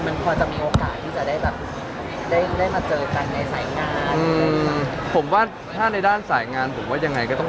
มันควรจะมีโอกาสที่จะได้แบบได้มาเจอกันในสายงาน